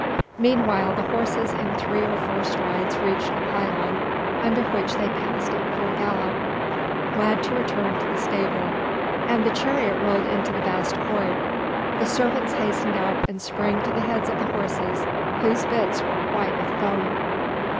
Meanwhile the horses in three or four strides reached the pylon, under which they passed at full gallop, glad to return to the stable, and the chariot rolled into the vast court. The servants hastened up and sprang to the heads of the horses, whose bits were white with foam.